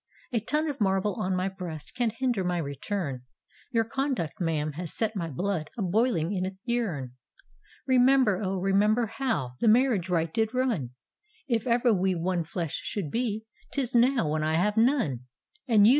"A ton of marble on my breast Can't hinder my return; Your conduct, ma'am, has set my blood A boiling in its um! " Remember, oh, remember how The marriage rite did run, — If ever we one flesh should be *Tk now — when I have none I " And you.